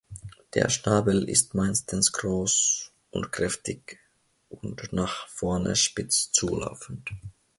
Der Schnabel ist meistens groß und kräftig und nach vorne spitz zulaufend.